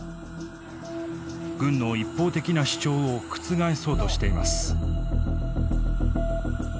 軍の一方的な主張を覆そうとしています。